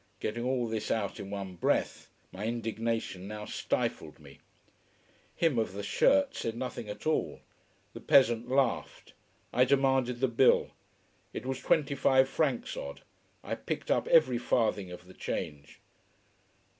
Getting all this out in one breath, my indignation now stifled me. Him of the shirt said nothing at all. The peasant laughed. I demanded the bill. It was twenty five francs odd. I picked up every farthing of the change.